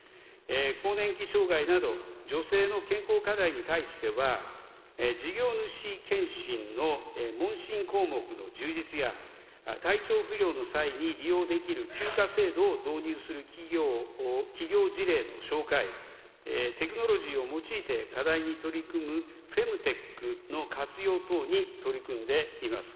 更年期障害など、女性の健康課題に対しては、事業主検診の問診項目の充実や、体調不良の際に利用できる休暇制度を導入する企業事例の紹介、テクノロジーを用いて課題に取り組むフェムテックの活用等に取り組んでいます。